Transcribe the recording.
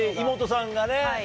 妹さんがね